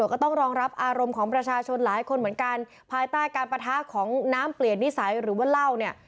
ก็ต้องรองรับอารมณ์ของประชาชนหลายคนเหมือนกันภายใต้การปะทะของน้ำเปลี่ยนนิสัยหรือว่าเหล้าเนี่ย